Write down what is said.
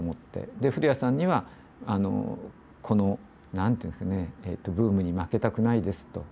で古屋さんにはこの何て言うんですかねブームに負けたくないですと。